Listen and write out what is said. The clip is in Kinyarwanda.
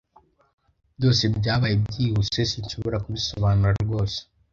Byose byabaye byihuse, sinshobora kubisobanura rwose.